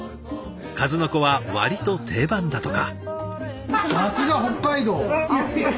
数の子は割と定番だとか。